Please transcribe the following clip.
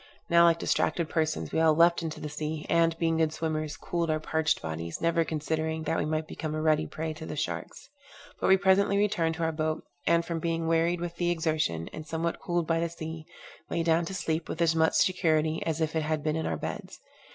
Now, like distracted persons, we all leapt into the sea, and, being good swimmers, cooled our parched bodies, never considering that we might become a ready prey to the sharks. But we presently returned to our boat, and from being wearied with the exertion, and somewhat cooled by the sea, lay down to sleep with as much security as if it had been in our beds.